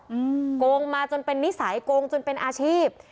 อืมโกงมาจนเป็นนิสัยโกงจนเป็นอาชีพ